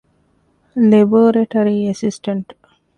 ލެބޯރެޓަރީ އެސިސްޓަންޓް